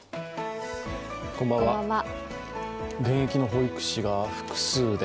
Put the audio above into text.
現役の保育士が複数で。